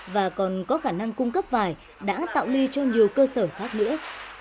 và còn có khả năng cung cấp vải đã tạo ly cho nhiều cơ sở khác nữa